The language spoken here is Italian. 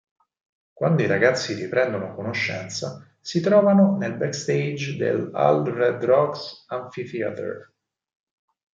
Quando i ragazzi riprendono conoscenza, si trovano nel backstage del al Red Rocks Amphitheatre.